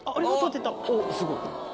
おっすごい。